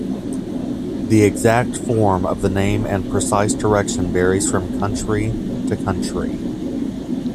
The exact form of the name and precise direction varies from country to country.